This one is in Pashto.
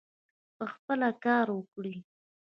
پخپله کار وکړي.